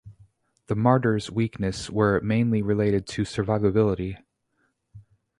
The "Marder"'s weaknesses were mainly related to survivability.